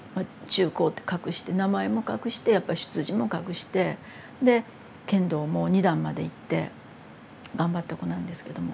中高って隠して名前も隠してやっぱり出自も隠してで剣道も二段までいって頑張った子なんですけども。